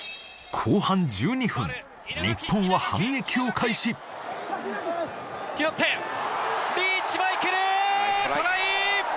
日本は反撃を開始拾ってリーチマイケルトライ！